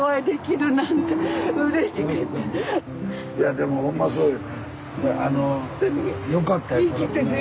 いやでもほんまそうよね。